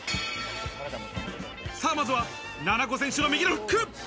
まずは、なな子選手の右のフック。